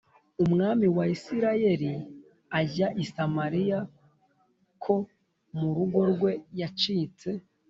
umwami wa Isirayeli ajya i Samariya k mu rugo rwe yacitse